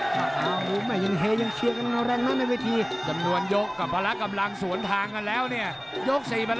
ถ้ายังฮียังเชียร์กันรสแรงน่ะในเวทีจำนวนยกกับพละกัำลังสวนทางครับ